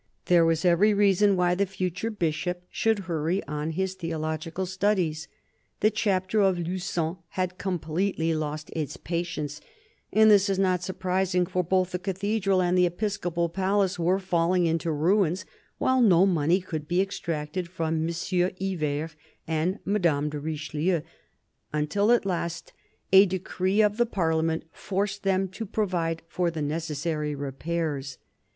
There was every reason why the future Bishop should hurry on his theological studies. The Chapter of 'Lu9on had completely lost its patience ; and this is not surprising, for both the cathedral and the episcopal palace were fall ing into ruins, while no money could be extracted from M. Yver and Madame de Richelieu, until, at last, a decree of the Parliament forced them to provide for the necessary repairs.